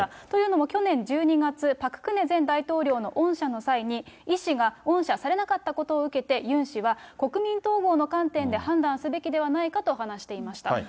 というのも去年１２月、パク・クネ前大統領の恩赦の際に、イ氏が恩赦されなかったことを受けて、ユン氏は、国民統合の観点で判断すべきではないかと話していました。